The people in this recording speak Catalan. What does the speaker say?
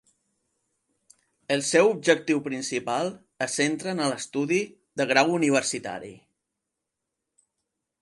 El seu objectiu principal se centra en els estudis de grau universitari.